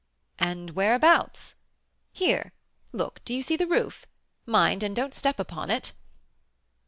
"And whereabouts?" "Here, look; do you see the roof? Mind, and don't step upon it."